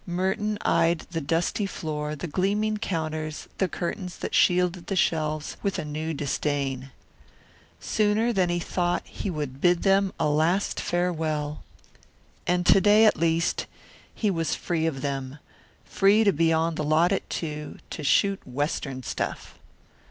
Merton eyed the dusty floor, the gleaming counters, the curtains that shielded the shelves, with a new disdain. Sooner than he had thought he would bid them a last farewell. And to day, at least, he was free of them free to be on the lot at two, to shoot Western stuff.